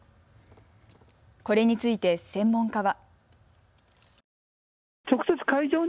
これについて専門家は。